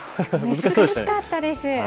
難しかったです。